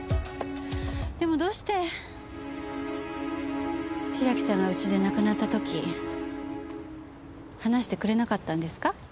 でもどうして白木さんが家で亡くなった時話してくれなかったんですか？